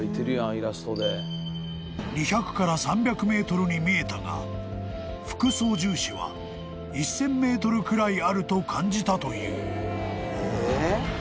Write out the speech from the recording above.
［２００から３００ｍに見えたが副操縦士は１，０００ｍくらいあると感じたという］